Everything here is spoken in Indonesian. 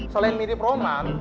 selain mirip roman